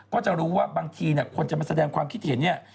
ก็จะรู้ว่าบางทีคนจะมาแสดงความคิดเห็นเนี่ย